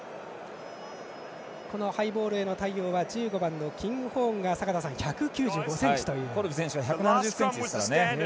ハイボールへの対応は１５番のキングホーンがコルビ選手は１７０ｃｍですからね。